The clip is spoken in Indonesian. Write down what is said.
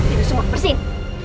itu semua bersihin